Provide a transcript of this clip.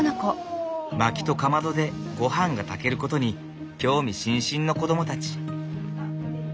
まきとかまどでごはんが炊けることに興味津々の子どもたち。